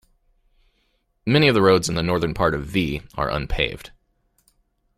Many of the roads in the northern part of Vie are unpaved.